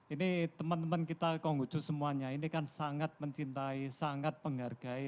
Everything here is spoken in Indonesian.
ini teman teman kita konghucu semuanya ini kan sangat mencintai sangat menghargai